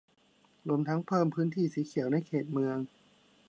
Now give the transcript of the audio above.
รวมทั้งเพิ่มพื้นที่สีเขียวในเขตเมือง